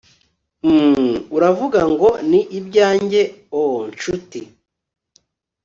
Huh Uravuga ngo ni ibyanjye Oh nshuti